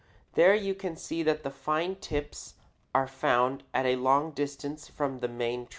There you can see that the fine tips are found at a long distance from the main trunk.